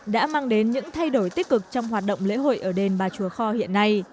đã mang đến những thay đổi tích cực trong hoạt động lễ hội ở đền bà chúa kho hiện nay